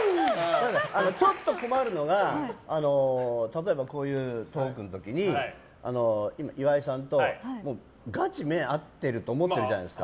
ちょっと困るのが例えば、こういうトークの時に岩井さんとガチ目が合ってると思ってるじゃないですか。